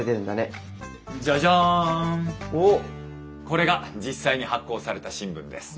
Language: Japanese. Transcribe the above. これが実際に発行された新聞です。